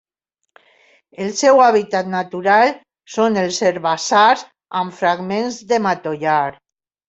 El seu hàbitat natural són els herbassars amb fragments de matollar.